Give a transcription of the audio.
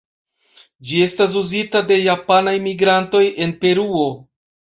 Ĝi estas uzita de japanaj migrantoj en Peruo.